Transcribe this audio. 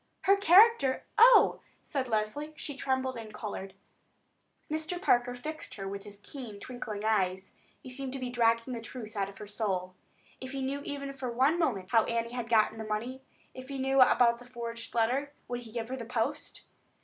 "Her character? Oh!" said Leslie. She trembled and colored. Mr. Parker fixed her with his keen twinkling eyes. He seemed to be dragging the truth out of her soul. If he knew even for one moment how Annie had got that money, if he knew about the forged letter, would he give her the post?